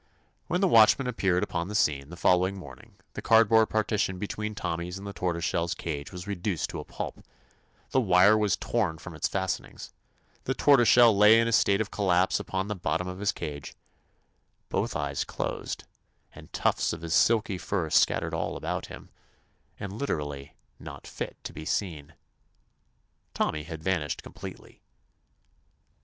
When the watchman appeared upon the scene the follow ing morning the cardboard partition between Tommy's and the Tortoise shell's cage was reduced to a pulp, the wire was torn from its fastenings, the Tortoise shell lay in a state of collapse upon the bottom of his cage, — both eyes closed, and tufts of his silky fur scattered all about him, and literally "not fit to be seen." Tom my had vanished completely.